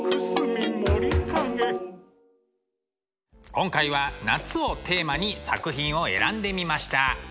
今回は「夏」をテーマに作品を選んでみました。